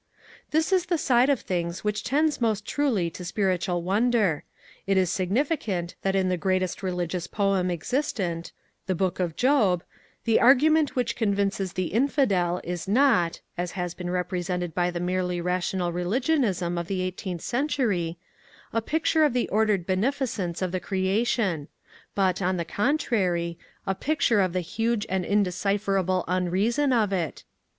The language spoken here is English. This is the side of things which tends most truly to spiritual wonder. It is sig nificant that in the greatest religious poem existent, the Book of Job, the argument which convinces the infidel is not (as has A Defence of Nonsense been represented by the merely rational religionism of the eighteenth century) a picture of the ordered beneficence of the Creation ; but, on the contrary, a picture of the huge and undecipherable unreason of it.